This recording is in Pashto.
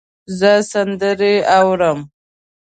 زه سندرې اورم